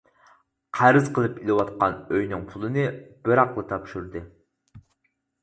قەرز قىلىپ ئېلىۋاتقان ئۆينىڭ پۇلىنى بىراقلا تاپشۇردى.